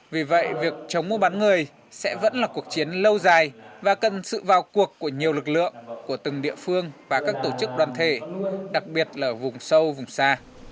vì vậy việc chống mua bán người sẽ vẫn là cuộc chiến lâu dài và cần sự vào cuộc của nhiều lực lượng của từng địa phương và các tổ chức đoàn thể đặc biệt là ở vùng sâu vùng xa